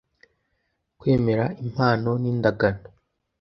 Kwemera impano n indagano